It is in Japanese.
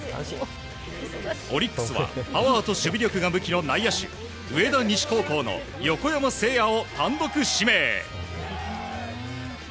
オリックスはパワーと守備力が武器の内野手上田西高校の横山聖哉を単独指名。